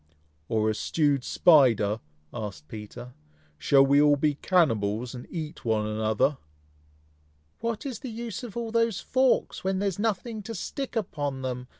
"Or a stewed spider?" asked Peter. "Shall we all be cannibals, and eat one another?" "What is the use of all those forks, when there is nothing to stick upon them?"